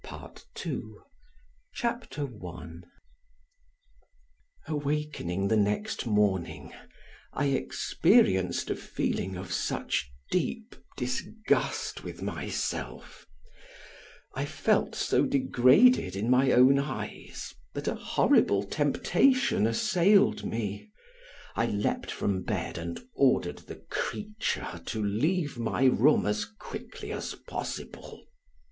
PART II CHAPTER I AWAKENING the next morning I experienced a feeling of such deep disgust with myself, I felt so degraded in my own eyes that a horrible temptation assailed me. I leaped from bed and ordered the creature to leave my room as quickly as possible.